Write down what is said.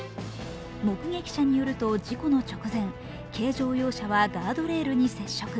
目撃者によると、事故の直前、軽乗用車はガードレールに接触。